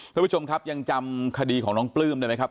ท่านผู้ชมครับยังจำคดีของน้องปลื้มได้ไหมครับ